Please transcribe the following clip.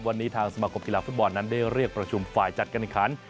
วันนี้ทางสมาคมกีฬาฟุตบอลนั้นได้เรียกประชุมฝ่ายจัดการขัน